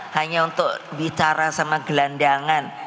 hanya untuk bicara sama gelandangan